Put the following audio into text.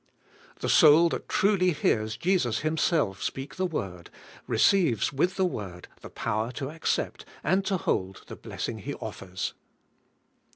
The soul that truly hears Jesus Hiynself speah the ivord^ receives with the word the power to accept and to hold the blessing He offers.